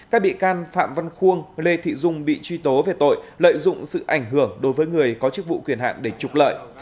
các bị can phạm văn khuôn lê thị dung bị truy tố về tội lợi dụng sự ảnh hưởng đối với người có chức vụ quyền hạn để trục lợi